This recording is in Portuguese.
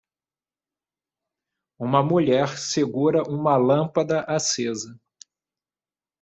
Uma mulher segura uma lâmpada acesa.